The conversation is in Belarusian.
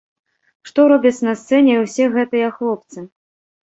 Што робяць на сцэне ўсе гэтыя хлопцы?